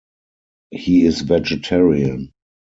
He is vegetarian.